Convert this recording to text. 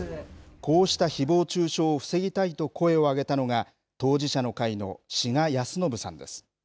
こうしたひぼう中傷を防ぎたいと声を上げたのが、当事者の会の志賀泰伸さんです。